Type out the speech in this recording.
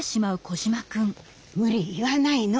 無理言わないの。